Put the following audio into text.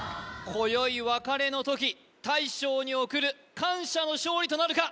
今宵別れの時大将に送る感謝の勝利となるか？